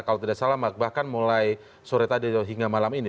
kalau tidak salah bahkan mulai sore tadi hingga malam ini